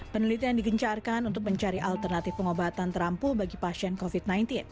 penelitian digencarkan untuk mencari alternatif pengobatan terampuh bagi pasien covid sembilan belas